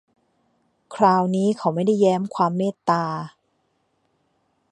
คราวนี้เขาไม่ได้แย้มความเมตตา